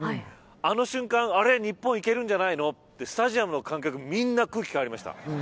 あの瞬間に日本いけるんじゃないのとスタジアムの観客の空気が変わりました。